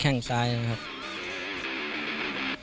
แข่งซ้ายมีแน่นอนอาวุธหลักอยู่แล้ว